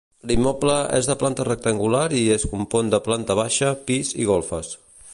L'immoble és de planta rectangular i es compon de planta baixa, pis i golfes.